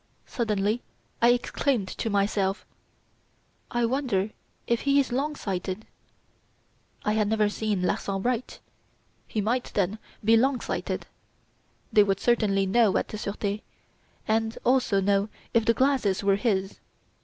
Suddenly I exclaimed to myself: 'I wonder if he is long sighted?' I had never seen Larsan write. He might, then, be long sighted. They would certainly know at the Surete, and also know if the glasses were his.